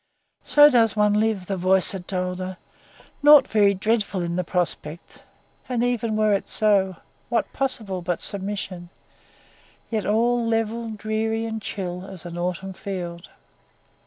So does one live, the voice had told her. Naught very dreadful in the prospect, and, even were it so, what possible but submission; yet all level, dreary and chill as an autumn field.